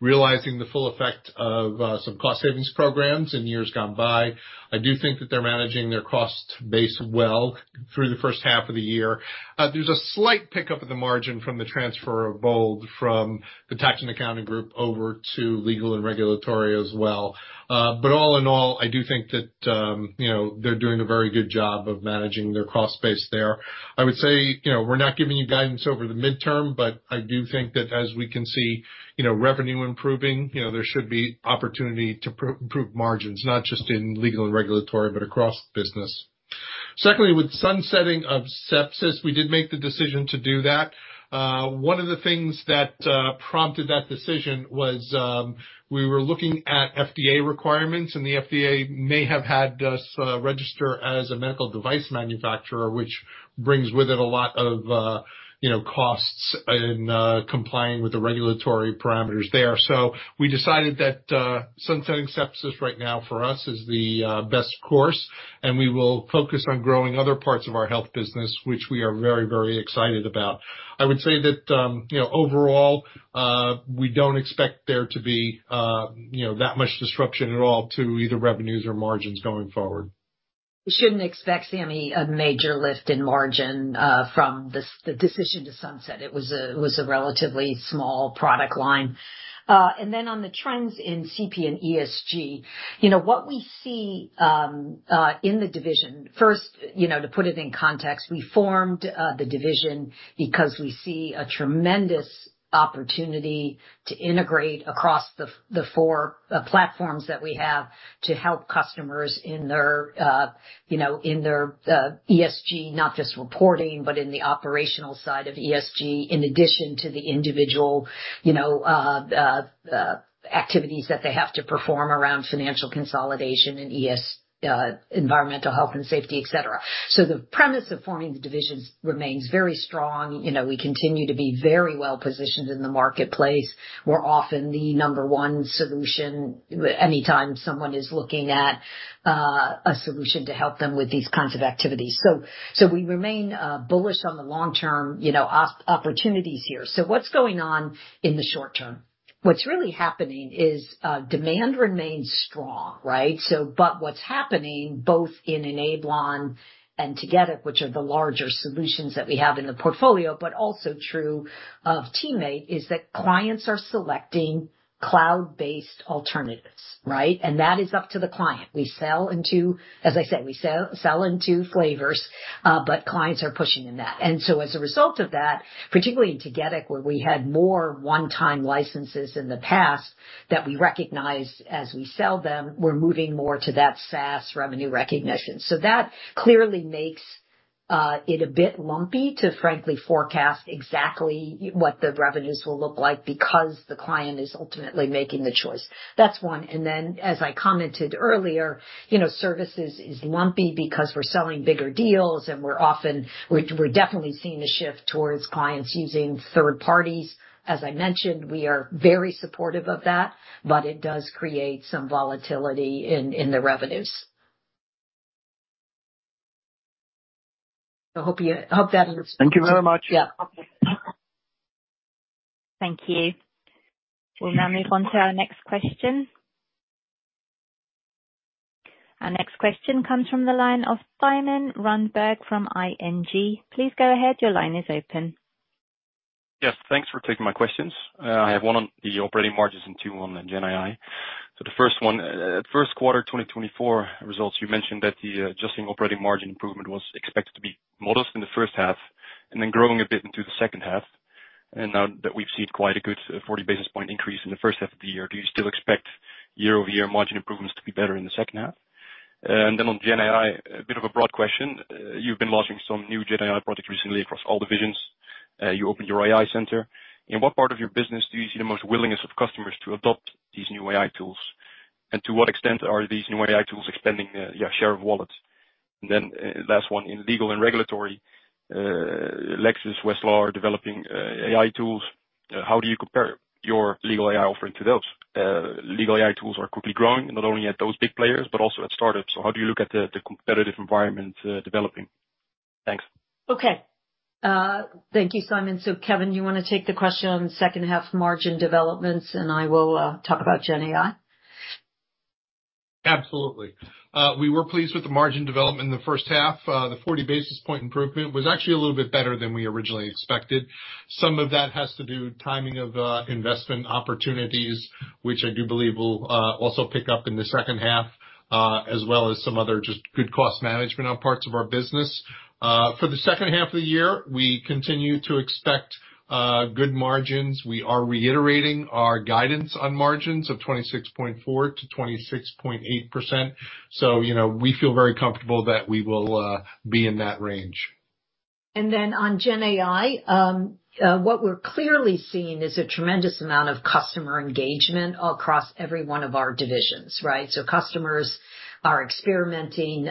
realizing the full effect of some cost-savings programs in years gone by. I do think that they're managing their cost base well through the first half of the year. There's a slight pickup of the margin from the transfer of BOLD from the Tax & Accounting group over to Legal & Regulatory as well. But all in all, I do think that they're doing a very good job of managing their cost base there. I would say we're not giving you guidance over the midterm, but I do think that as we can see revenue improving, there should be opportunity to improve margins, not just in Legal & Regulatory, but across business. Secondly, with sunsetting of Sepsis, we did make the decision to do that. One of the things that prompted that decision was we were looking at FDA requirements, and the FDA may have had us register as a medical device manufacturer, which brings with it a lot of costs in complying with the regulatory parameters there. So we decided that sunsetting Sepsis right now for us is the best course, and we will focus on growing other parts of our health business, which we are very, very excited about. I would say that overall, we don't expect there to be that much disruption at all to either revenues or margins going forward. We shouldn't expect, Sami, a major lift in margin from the decision to sunset. It was a relatively small product line. And then on the trends in CP&ESG, what we see in the division, first, to put it in context, we formed the division because we see a tremendous opportunity to integrate across the four platforms that we have to help customers in their ESG, not just reporting, but in the operational side of ESG, in addition to the individual activities that they have to perform around financial consolidation and environmental health and safety, etc. So the premise of forming the divisions remains very strong. We continue to be very well positioned in the marketplace. We're often the number one solution anytime someone is looking at a solution to help them with these kinds of activities. So we remain bullish on the long-term opportunities here. So what's going on in the short term? What's really happening is demand remains strong, right? But what's happening both in Enablon and Tagetik, which are the larger solutions that we have in the portfolio, but also true of TeamMate, is that clients are selecting cloud-based alternatives, right? And that is up to the client. As I say, we sell in two flavors, but clients are pushing in that. And so as a result of that, particularly in Tagetik, where we had more one-time licenses in the past that we recognized as we sell them, we're moving more to that SaaS revenue recognition. So that clearly makes it a bit lumpy to, frankly, forecast exactly what the revenues will look like because the client is ultimately making the choice. That's one. And then, as I commented earlier, services is lumpy because we're selling bigger deals, and we're definitely seeing a shift towards clients using third parties. As I mentioned, we are very supportive of that, but it does create some volatility in the revenues. I hope that answers your question. Thank you very much. Thank you. We'll now move on to our next question. Our next question comes from the line of Simon Runberg from ING. Please go ahead. Your line is open. Yes. Thanks for taking my questions. I have one on the operating margins in Q1 and GenAI. So the first one, first quarter 2024 results, you mentioned that the adjusted operating margin improvement was expected to be modest in the first half and then growing a bit into the second half. And now that we've seen quite a good 40 basis points increase in the first half of the year, do you still expect year-over-year margin improvements to be better in the second half? And then on GenAI, a bit of a broad question. You've been launching some new GenAI projects recently across all divisions. You opened your AI center. In what part of your business do you see the most willingness of customers to adopt these new AI tools? And to what extent are these new AI tools expanding the share of wallets? And then last one, in Legal & Regulatory, Lexis, Westlaw are developing AI tools. How do you compare your legal AI offering to those? Legal AI tools are quickly growing, not only at those big players, but also at startups. So how do you look at the competitive environment developing? Thanks. Okay. Thank you, Simon. So Kevin, you want to take the question on second-half margin developments, and I will talk about GenAI? Absolutely. We were pleased with the margin development in the first half. The 40 basis points improvement was actually a little bit better than we originally expected. Some of that has to do with timing of investment opportunities, which I do believe will also pick up in the second half, as well as some other just good cost management on parts of our business. For the second half of the year, we continue to expect good margins. We are reiterating our guidance on margins of 26.4%-26.8%. So we feel very comfortable that we will be in that range. And then on GenAI, what we're clearly seeing is a tremendous amount of customer engagement across every one of our divisions, right? So customers are experimenting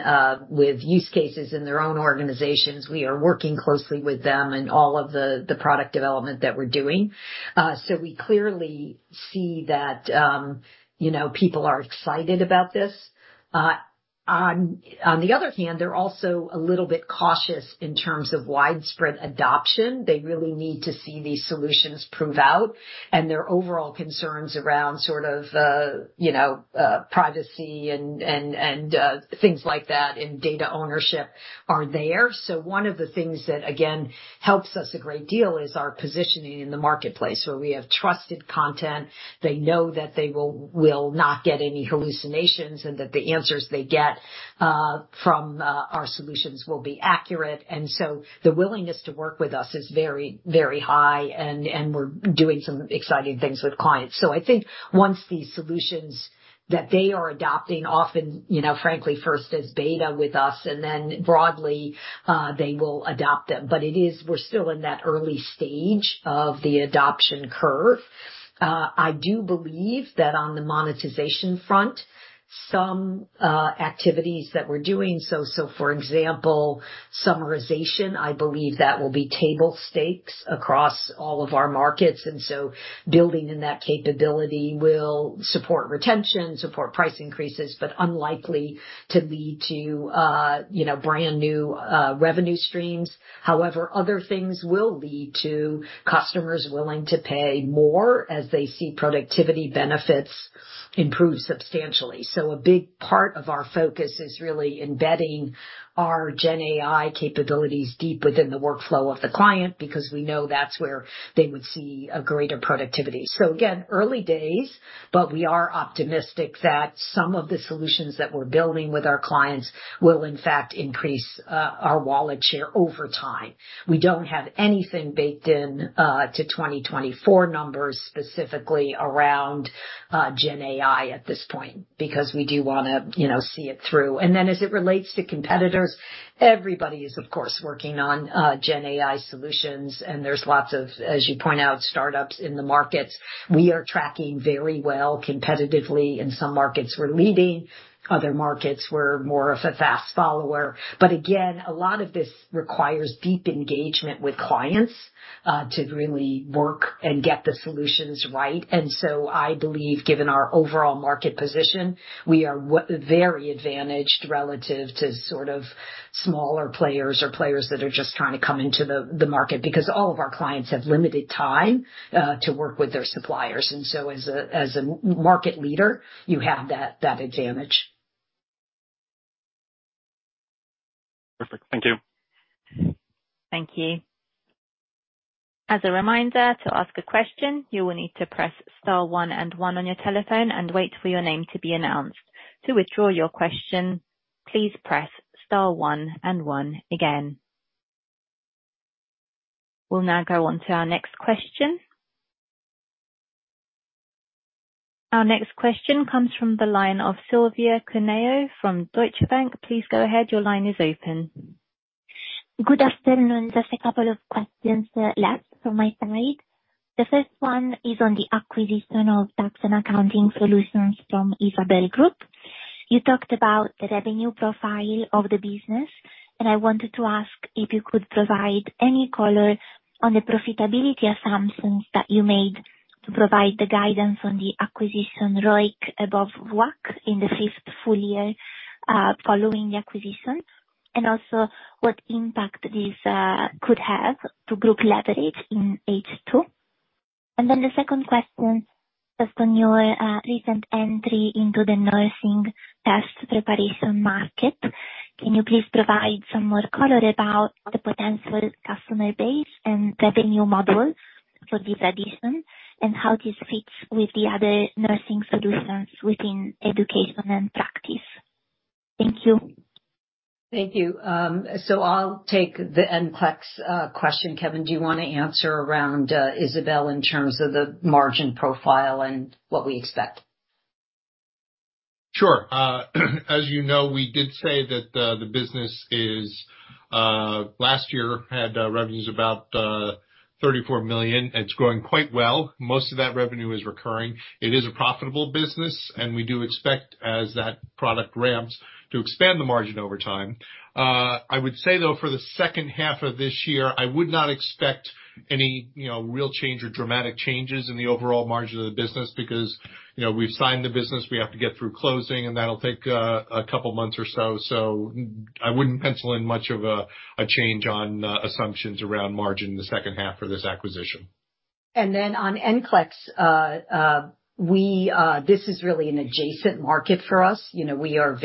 with use cases in their own organizations. We are working closely with them in all of the product development that we're doing. So we clearly see that people are excited about this. On the other hand, they're also a little bit cautious in terms of widespread adoption. They really need to see these solutions prove out, and their overall concerns around sort of privacy and things like that and data ownership are there. So one of the things that, again, helps us a great deal is our positioning in the marketplace where we have trusted content. They know that they will not get any hallucinations and that the answers they get from our solutions will be accurate. And so the willingness to work with us is very, very high, and we're doing some exciting things with clients. So I think once these solutions that they are adopting often, frankly, first as beta with us, and then broadly, they will adopt them. But we're still in that early stage of the adoption curve. I do believe that on the monetization front, some activities that we're doing, so for example, summarization, I believe that will be table stakes across all of our markets. And so building in that capability will support retention, support price increases, but unlikely to lead to brand new revenue streams. However, other things will lead to customers willing to pay more as they see productivity benefits improve substantially. So a big part of our focus is really embedding our GenAI capabilities deep within the workflow of the client because we know that's where they would see a greater productivity. So again, early days, but we are optimistic that some of the solutions that we're building with our clients will, in fact, increase our wallet share over time. We don't have anything baked into 2024 numbers specifically around GenAI at this point because we do want to see it through. And then, as it relates to competitors, everybody is, of course, working on GenAI solutions, and there's lots of, as you point out, startups in the markets. We are tracking very well competitively. In some markets, we're leading. Other markets, we're more of a fast follower. But again, a lot of this requires deep engagement with clients to really work and get the solutions right. And so I believe, given our overall market position, we are very advantaged relative to sort of smaller players or players that are just trying to come into the market because all of our clients have limited time to work with their suppliers. And so, as a market leader, you have that advantage. Perfect. Thank you. Thank you. As a reminder, to ask a question, you will need to press Star 1 and 1 on your telephone and wait for your name to be announced. To withdraw your question, please press star 1 and 1 again. We'll now go on to our next question. Our next question comes from the line of Silvia Cuneo from Deutsche Bank. Please go ahead. Your line is open. Good afternoon. Just a couple of questions left from my side. The first one is on the acquisition of Tax & Accounting solutions from Isabel Group. You talked about the revenue profile of the business, and I wanted to ask if you could provide any color on the profitability assumptions that you made to provide the guidance on the acquisition ROIC above WACC in the fifth full year following the acquisition, and also what impact this could have to group leverage in H2. Then the second question is on your recent entry into the nursing test preparation market. Can you please provide some more color about the potential customer base and revenue model for this addition, and how this fits with the other nursing solutions within Education & Practice? Thank you. Thank you. So I'll take the NCLEX question. Kevin, do you want to answer around Isabel in terms of the margin profile and what we expect? Sure. As you know, we did say that the business last year had revenues of about 34 million. It's growing quite well. Most of that revenue is recurring. It is a profitable business, and we do expect, as that product ramps, to expand the margin over time. I would say, though, for the second half of this year, I would not expect any real change or dramatic changes in the overall margin of the business because we've signed the business. We have to get through closing, and that'll take a couple of months or so. So I wouldn't pencil in much of a change on assumptions around margin in the second half for this acquisition. And then on NCLEX, this is really an adjacent market for us. We are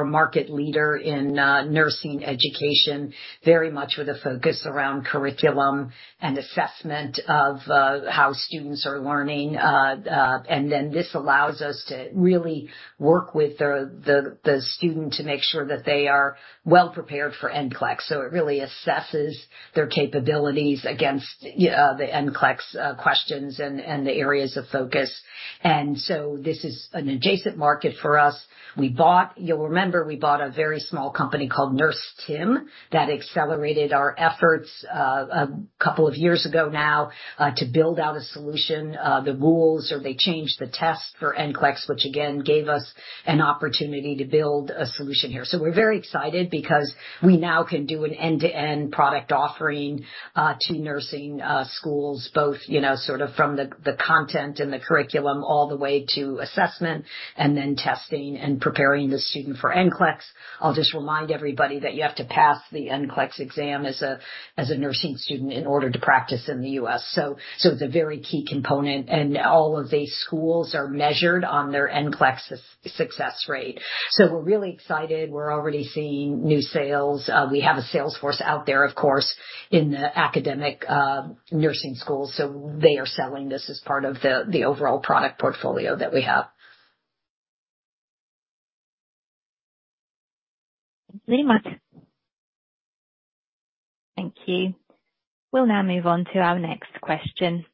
a market leader in nursing education, very much with a focus around curriculum and assessment of how students are learning. And then this allows us to really work with the student to make sure that they are well prepared for NCLEX. So it really assesses their capabilities against the NCLEX questions and the areas of focus. And so this is an adjacent market for us. You'll remember we bought a very small company called NurseTim that accelerated our efforts a couple of years ago now to build out a solution. The rules or they changed the test for NCLEX, which again gave us an opportunity to build a solution here. So we're very excited because we now can do an end-to-end product offering to nursing schools, both sort of from the content and the curriculum all the way to assessment and then testing and preparing the student for NCLEX. I'll just remind everybody that you have to pass the NCLEX exam as a nursing student in order to practice in the U.S. So it's a very key component. And all of these schools are measured on their NCLEX success rate. So we're really excited. We're already seeing new sales. We have a sales force out there, of course, in the academic nursing schools. So they are selling this as part of the overall product portfolio that we have. Thank you very much. Thank you. We'll now move on to our next question.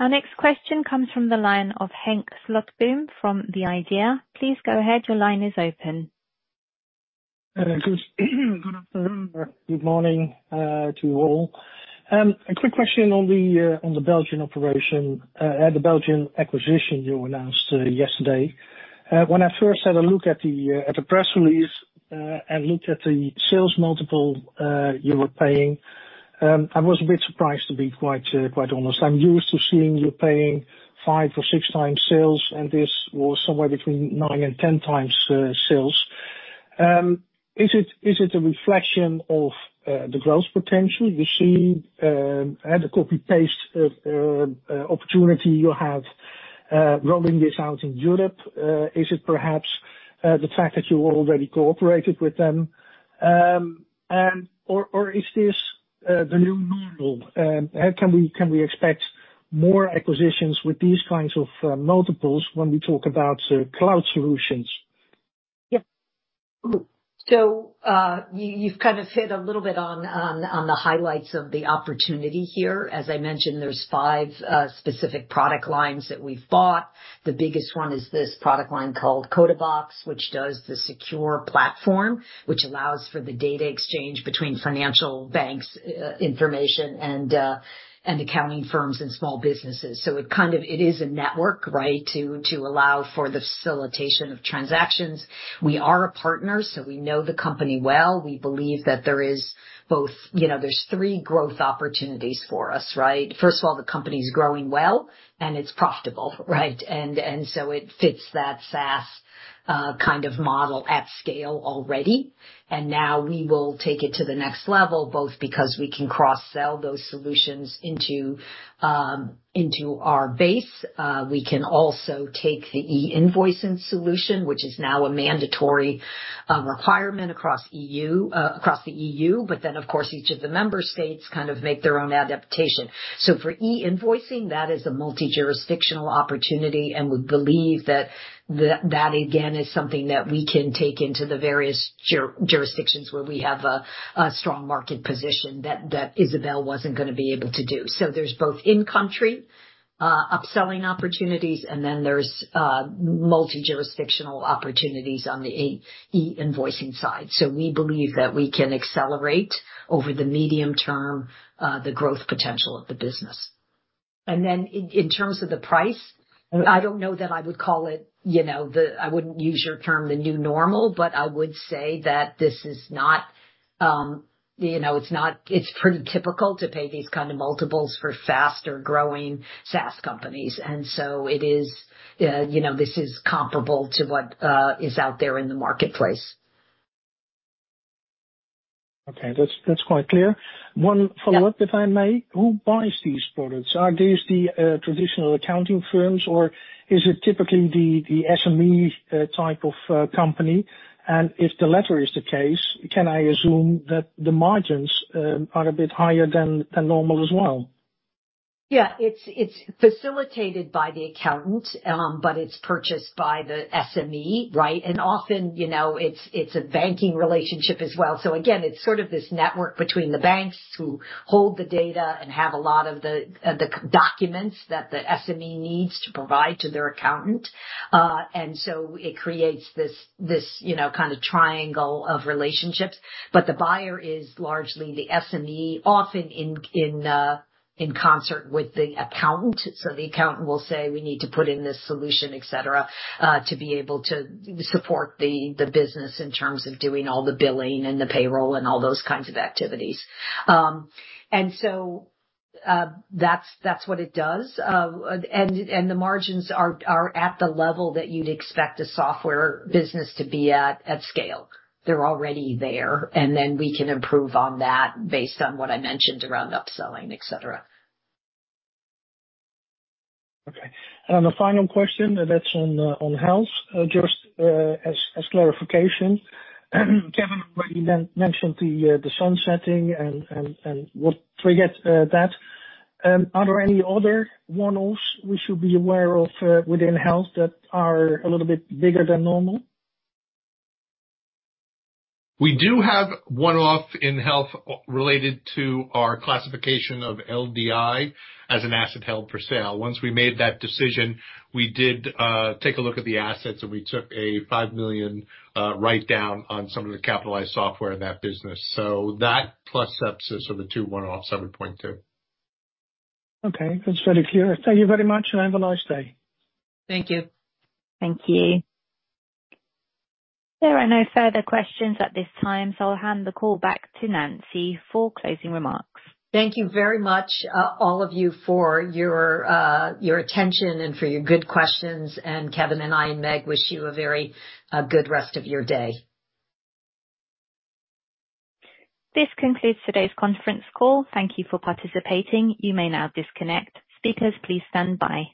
Our next question comes from the line of Henk Slotboom from The IDEA. Please go ahead. Your line is open. Good afternoon. [inaudible] Good morning to you all. A quick question on the Belgian acquisition you announced yesterday. When I first had a look at the press release and looked at the sales multiple you were paying, I was a bit surprised, to be quite honest. I'm used to seeing you paying 5x or 6x sales, and this was somewhere between 9x and 10x sales. Is it a reflection of the growth potential you see at the copy-paste opportunity you have rolling this out in Europe? Is it perhaps the fact that you already cooperated with them? Or is this the new normal? Can we expect more acquisitions with these kinds of multiples when we talk about cloud solutions? Yep. So you've kind of hit a little bit on the highlights of the opportunity here. As I mentioned, there's 5 specific product lines that we've bought. The biggest one is this product line called CodaBox, which does the secure platform, which allows for the data exchange between financial banks' information and accounting firms and small businesses. So it is a network, right, to allow for the facilitation of transactions. We are a partner, so we know the company well. We believe that there is both there's three growth opportunities for us, right? First of all, the company's growing well, and it's profitable, right? And now we will take it to the next level, both because we can cross-sell those solutions into our base. We can also take the e-invoicing solution, which is now a mandatory requirement across the EU. But then, of course, each of the member states kind of make their own adaptation. So for e-invoicing, that is a multi-jurisdictional opportunity. And we believe that that, again, is something that we can take into the various jurisdictions where we have a strong market position that Isabel wasn't going to be able to do. So there's both in-country upselling opportunities, and then there's multi-jurisdictional opportunities on the e-invoicing side. So we believe that we can accelerate over the medium term the growth potential of the business. And then in terms of the price, I don't know that I would call it the I wouldn't use your term, the new normal, but I would say that this is not it's pretty typical to pay these kind of multiples for faster-growing SaaS companies. And so this is comparable to what is out there in the marketplace. Okay. That's quite clear. One follow-up, if I may. Who buys these products? Are these the traditional accounting firms, or is it typically the SME type of company? And if the latter is the case, can I assume that the margins are a bit higher than normal as well? Yeah. It's facilitated by the accountant, but it's purchased by the SME, right? And often, it's a banking relationship as well. So again, it's sort of this network between the banks who hold the data and have a lot of the documents that the SME needs to provide to their accountant. And so it creates this kind of triangle of relationships. But the buyer is largely the SME, often in concert with the accountant. So the accountant will say, "We need to put in this solution," etc., to be able to support the business in terms of doing all the billing and the payroll and all those kinds of activities. And so that's what it does. And the margins are at the level that you'd expect a software business to be at at scale. They're already there. And then we can improve on that based on what I mentioned around upselling, etc. Okay. And on the final question, that's on health, just as clarification. Kevin already mentioned the sunsetting and we'll trigger that. Are there any other one-offs we should be aware of within health that are a little bit bigger than normal? We do have one-off in health related to our classification of LDI as an asset held for sale. Once we made that decision, we did take a look at the assets, and we took a 5 million write-down on some of the capitalized software in that business. So that plus sepsis are the two one-offs I would point to. Okay. That's very clear. Thank you very much, and have a nice day. Thank you. Thank you. There are no further questions at this time, so I'll hand the call back to Nancy for closing remarks. Thank you very much, all of you, for your attention and for your good questions. And Kevin and I and Meg wish you a very good rest of your day. This concludes today's conference call. Thank you for participating. You may now disconnect. Speakers, please stand by.